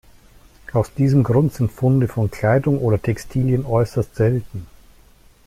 Aus diesem Grund sind Funde von Kleidung oder Textilien äußerst selten.